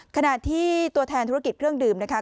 ขณะที่ตัวแทนธุรกิจเครื่องดื่มนะคะ